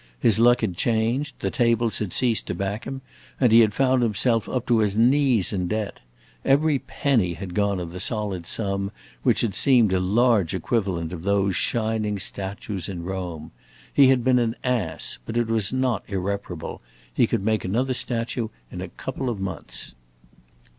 His luck had changed; the tables had ceased to back him, and he had found himself up to his knees in debt. Every penny had gone of the solid sum which had seemed a large equivalent of those shining statues in Rome. He had been an ass, but it was not irreparable; he could make another statue in a couple of months.